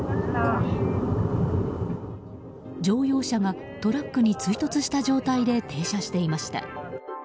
乗用車がトラックに追突した状態で停車していました。